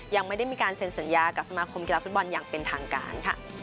ยังไม่ได้มีการเซ็นสัญญากับสมาคมกีฬาฟุตบอลอย่างเป็นทางการค่ะ